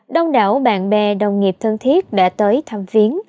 đông đảo bạn bè đồng nghiệp thân thiết đã tới thăm viến